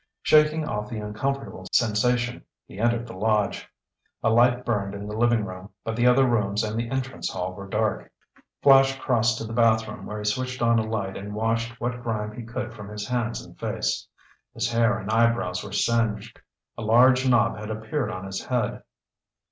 Shaking off the uncomfortable sensation, he entered the lodge. A light burned in the living room but the other rooms and the entrance hall were dark. Flash crossed to the bathroom where he switched on a light and washed what grime he could from his hands and face. His hair and eyebrows were singed; a large knob had appeared on his head.